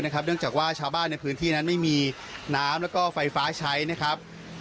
นะครับนะครับใจกว่าชาวบ้านในพื้นที่นั้นไม่มีน้ำและก็ไฟฟ้าใช้นะครับ